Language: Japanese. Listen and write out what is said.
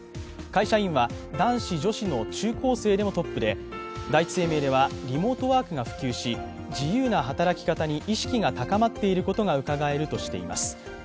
会社員は男子・女子の中高生でもトップで第一生命ではリモートワークが普及し、自由な働き方に意識が高まっていることがうかがえるとしています。